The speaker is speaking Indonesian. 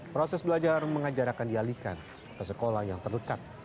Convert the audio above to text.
proses belajar mengajar akan dialihkan ke sekolah yang terdekat